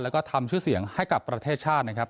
แล้วก็ทำชื่อเสียงให้กับประเทศชาตินะครับ